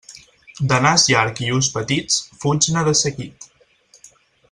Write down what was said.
De nas llarg i ulls petits, fuig-ne de seguit.